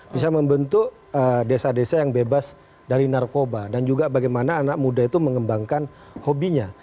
bisa membentuk desa desa yang bebas dari narkoba dan juga bagaimana anak muda itu mengembangkan hobinya